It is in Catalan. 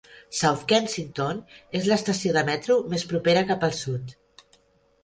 South Kensington és l'estació de metro més propera cap al sud.